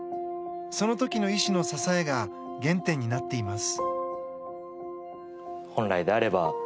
その時の医師の支えが原点になっています。